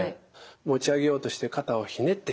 持ち上げようとして肩をひねってしまう。